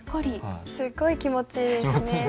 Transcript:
すっごい気持ちいいですね。